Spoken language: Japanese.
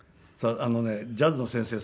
あのねジャズの先生